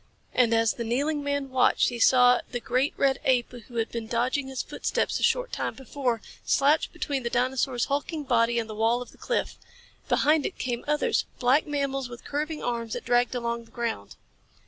And as the kneeling man watched he saw the great red ape who had been dodging his footsteps a short time before, slouch between the dinosaur's hulking body and the wall of the cliff. Behind it came others black mammals with curving arms that dragged along the ground.